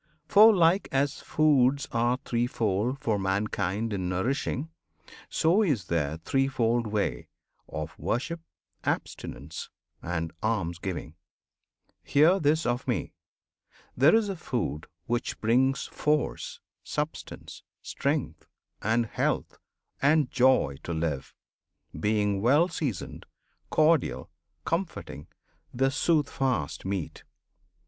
For like as foods are threefold for mankind In nourishing, so is there threefold way Of worship, abstinence, and almsgiving! Hear this of Me! there is a food which brings Force, substance, strength, and health, and joy to live, Being well seasoned, cordial, comforting, The "Soothfast" meat.